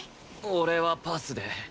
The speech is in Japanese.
俺はパスで。